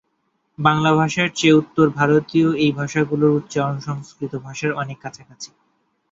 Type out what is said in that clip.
বাংলা ভাষার চেয়ে উত্তরভারতীয় এই ভাষাগুলোর উচ্চারণ সংস্কৃত ভাষার অনেক কাছাকাছি।